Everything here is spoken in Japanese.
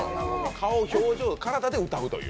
顔の表情、体で歌うという。